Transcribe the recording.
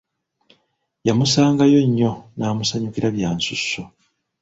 Yamusangayo nnyo n'amusanyukira bya nsuso.